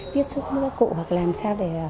giúp các cụ hoặc làm sao để